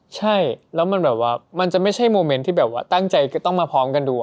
ใช่แล้วมันแบบว่ามันจะไม่ใช่โมเมนต์ที่แบบว่าตั้งใจจะต้องมาพร้อมกันดู